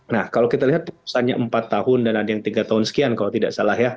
nah kalau kita lihat keputusannya empat tahun dan ada yang tiga tahun sekian kalau tidak salah ya